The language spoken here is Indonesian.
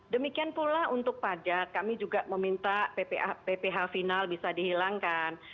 demikian pula untuk pajak kami juga meminta pph final bisa dihilangkan